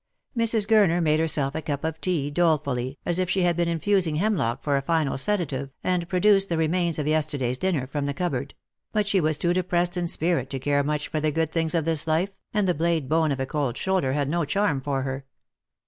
Mrs. Gurner made herself a cup of tea dolefully, as if she had been infusing hemlock for a final sedative, and produced the remains of yesterday's dinner from the cupboard ; but she was too depressed in spirit to care much for the good ihings of this life, and the blade bone of a cold shoulder had no charm for her.